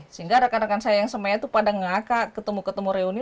sehingga rekan rekan saya yang semuanya itu pada ngaka ketemu ketemu reuni